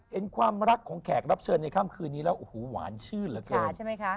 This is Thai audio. เห็นความรักของแขกรับเชิญในค่ำคืนนี้แล้วโอ้โหหวานชื่นเหลือเกินใช่ไหมคะ